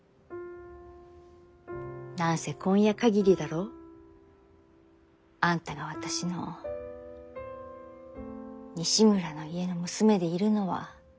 何せ今夜限りだろう？あんたが私の西村の家の娘でいるのは。